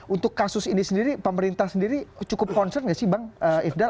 untuk kasus ini sendiri pemerintah sendiri cukup concern nggak sih bang ifdar